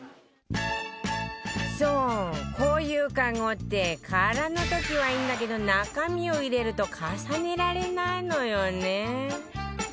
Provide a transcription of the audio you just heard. そうこういうカゴって空の時はいいんだけど中身を入れると重ねられないのよね